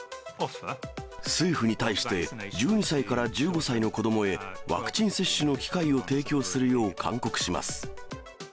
政府に対して１２歳から１５歳の子どもへワクチン接種の機会を提供するよう勧告します。